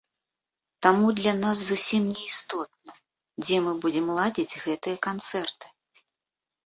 Таму для нас зусім не істотна, дзе мы будзем ладзіць гэтыя канцэрты.